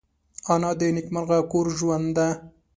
انا د نیکمرغه کور ژوند ده